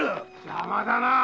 邪魔だなぁ。